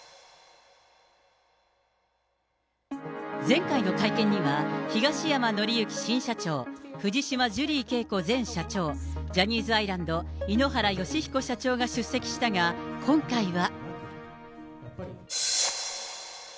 前回の会見には、東山紀之新社長、藤島ジュリー景子前社長、ジャニーズアイランド、井ノ原快彦社長が出席したが、今回は。